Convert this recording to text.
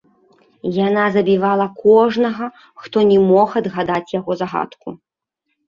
Яна забівала кожнага, хто не мог адгадаць яе загадку.